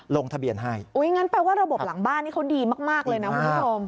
ลงทะเบียนให้อุ้ยงั้นแปลว่าระบบหลังบ้านนี่เขาดีมากเลยนะคุณผู้ชม